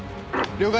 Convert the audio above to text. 了解！